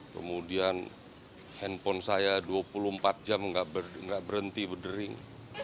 kemudian handphone saya dua puluh empat jam tidak berhenti berdering